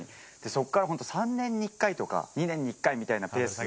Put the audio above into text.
そこから本当、３年に１回とか、２年に１回みたいなペース。